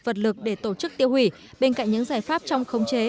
vật lực để tổ chức tiêu hủy bên cạnh những giải pháp trong khống chế